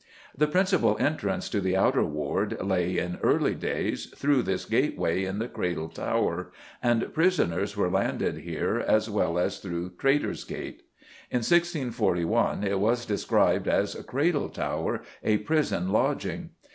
The principal entrance to the Outer Ward lay, in early days, through this gateway in the Cradle Tower, and prisoners were landed here as well as through Traitor's Gate. In 1641 it was described as "Cradle Tower a prison lodging."